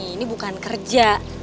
ini bukan kerja